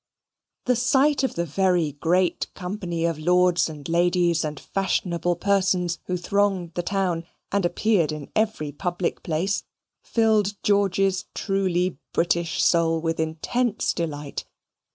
The sight of the very great company of lords and ladies and fashionable persons who thronged the town, and appeared in every public place, filled George's truly British soul with intense delight.